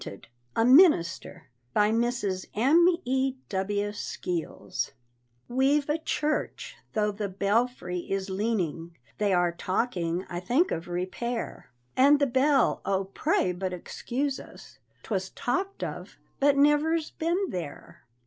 WANTED, A MINISTER. BY MRS. M.E.W. SKEELS. We've a church, tho' the belfry is leaning, They are talking I think of repair, And the bell, oh, pray but excuse us, 'Twas talked of, but never's been there.